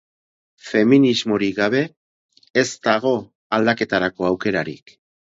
Feminismorik gabe ez dago aldaketarako aukerarik.